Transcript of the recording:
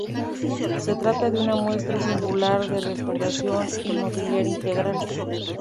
Se trata de una muestra singular de restauración inmobiliaria integral.